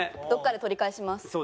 どこかで取り返します。